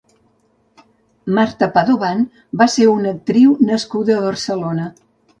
Marta Padovan va ser una actriu nascuda a Barcelona.